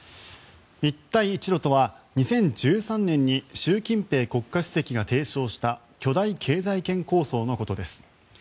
一帯一路とは２０１３年に習近平国家主席が提唱した巨大経済圏構想のことです。